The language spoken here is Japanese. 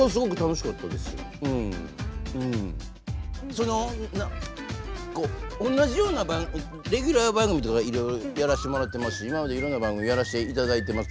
そのおんなじようなレギュラー番組とかいろいろやらせてもらってますし今までいろんな番組やらしていただいてます。